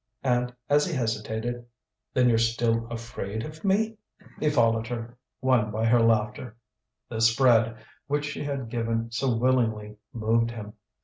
And as he hesitated: "Then you're still afraid of me?" He followed her, won by her laughter. This bread, which she had given so willingly, moved him.